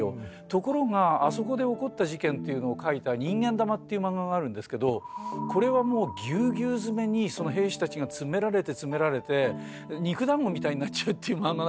ところがあそこで起こった事件っていうのを描いた「人間玉」っていう漫画があるんですけどこれはもうぎゅうぎゅう詰めに兵士たちが詰められて詰められて肉だんごみたいになっちゃうっていう漫画なんですよ。